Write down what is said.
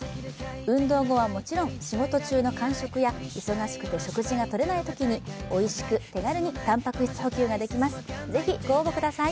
運動後はもちろん、仕事中の間食や、忙しくて食事がとれないときにおいしく手軽にたんぱく質補給ができます。